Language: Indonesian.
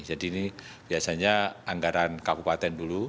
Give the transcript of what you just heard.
jadi ini biasanya anggaran kabupaten dulu